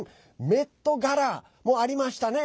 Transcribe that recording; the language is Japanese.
メットガラもありましたね。